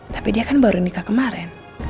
tapi dia kan baru nikah kemarin